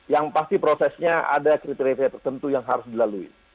yang pasti prosesnya ada kriteria tertentu yang harus dilalui